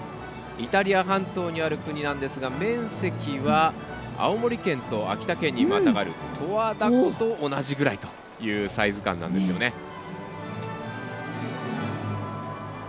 イタリア半島にある国なんですが面積は青森県と秋田県にまたがる十和田湖と同じぐらいというサイズ感なんですよね。